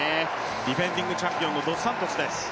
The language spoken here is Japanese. ディフェンディングチャンピオンのドスサントスです。